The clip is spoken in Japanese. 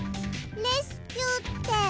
レスキューってなに？